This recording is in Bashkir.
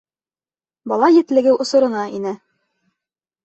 Бала етлегеү осорона инә.